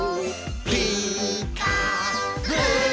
「ピーカーブ！」